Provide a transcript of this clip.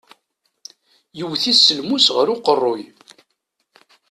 Yewwet-it s lmus ɣer uqeṛṛuy.